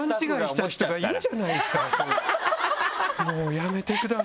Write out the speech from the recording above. やめてください。